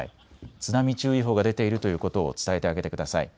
津波注意報が出ているということを伝えてあげてください。